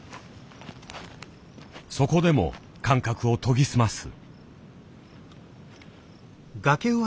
そこでも感覚を研ぎ澄ます。